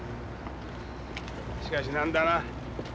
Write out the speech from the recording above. しかしなんだな。